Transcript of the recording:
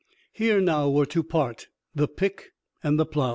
Here now were to part the pick and the plow.